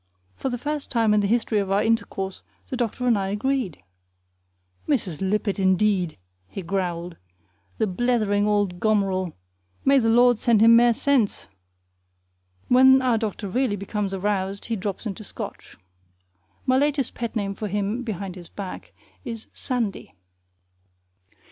For the first time in the history of our intercourse the doctor and I agreed. "Mrs. Lippett indeed!" he growled. "The blethering auld gomerel! May the Lord send him mair sense!" When our doctor really becomes aroused, he drops into Scotch. My latest pet name for him (behind his back) is Sandy.